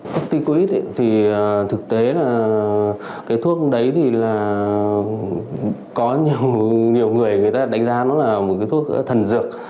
corticoid thì thực tế là cái thuốc đấy thì là có nhiều người đánh giá nó là một cái thuốc thần dược